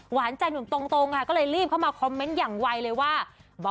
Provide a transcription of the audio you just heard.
หวานใจเหมือนตรงเขาเลยลีบเข้ามาคอมเมนต์แบบ